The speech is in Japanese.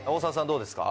どうですか？